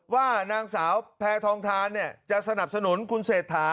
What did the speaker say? ว่านางสาวแพทองทานจะสนับสนุนคุณเศรษฐา